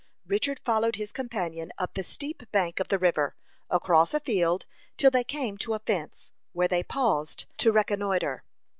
Richard followed his companion up the steep bank of the river, across a field, till they came to a fence, where they paused to reconnoitre.